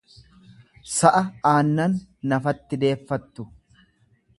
sa'a aannan nafatti deeffattu.